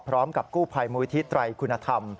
พร้อมกับกู้ภัยมูลิธิไตรคุณธรรม